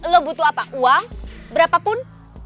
lo butuh apa uang berapapun